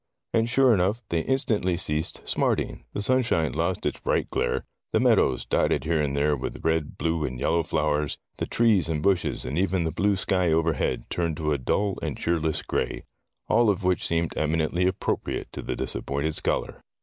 And sure enough, they in stantly ceased smarting, the sunshine lost its bright glare, the meadows, dotted here and there with red, blue, and yellow flowers, the trees and bushes, and even the blue sky overhead turned to a dull and cheerless gray. All of which seemed eminently ap propriate to the disappointed scholar.